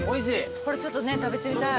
これちょっとね食べてみたい。